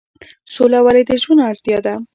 سوله ولې د ژوند اړتیا ده؟